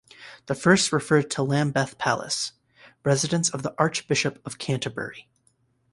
The first referred to Lambeth Palace, residence of the Archbishop of Canterbury.